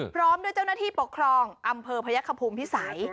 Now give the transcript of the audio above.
พร้อมด้วยเจ้าหน้าที่ปกครองอำเภอพยักษภูมิพิสัย